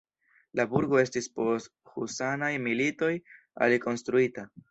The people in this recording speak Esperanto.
La burgo estis post husanaj militoj alikonstruita.